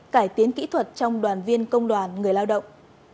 cải tiến kỹ thuật trong đoàn viên công đoàn người lao động